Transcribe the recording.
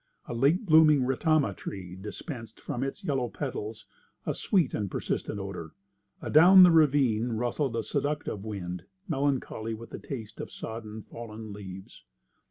A late blooming ratama tree dispensed from its yellow petals a sweet and persistent odour. Adown the ravine rustled a seductive wind, melancholy with the taste of sodden, fallen leaves.